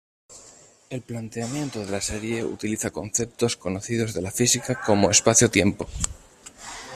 El planteamiento de la serie utiliza conceptos conocidos de la física como "espacio-tiempo".